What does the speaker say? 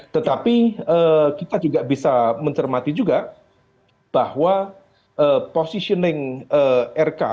tetapi kita juga bisa mencermati juga bahwa positioning rk